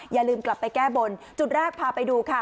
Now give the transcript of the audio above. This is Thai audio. อย่าลืมกลับไปแก้บนจุดแรกพาไปดูค่ะ